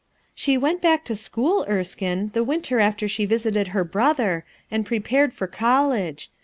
"She went back to school, Esrkine, the winter after she visited her brother, and prepared for college.